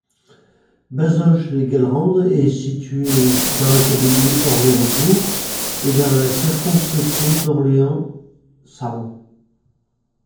Bazoches-les-Gallerandes est situé dans l'académie d'Orléans-Tours et dans la circonscription d'Orléans-Saran.